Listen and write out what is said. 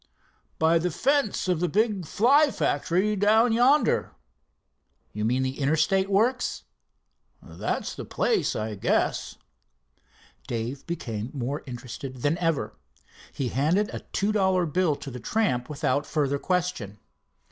"By the fence of the big Fly factory down yonder." "You mean the Interstate works?" "That's the place, I guess." Dave became more interested than ever. He handed a two dollar bill to the tramp without further question.